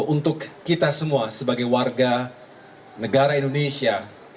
untuk kita semua sebagai warga negara indonesia